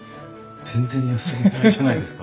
全然休みがないじゃないですか。